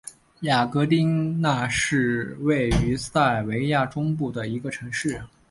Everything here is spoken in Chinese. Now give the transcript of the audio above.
雅戈丁那是位于塞尔维亚中部的一个城市。